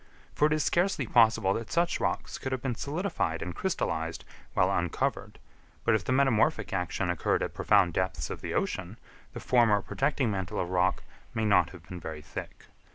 For it is scarcely possible that such rocks could have been solidified and crystallised while uncovered; but if the metamorphic action occurred at profound depths of the ocean, the former protecting mantle of rock may not have been very thick.